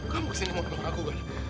kamu kesini mau nolong aku kan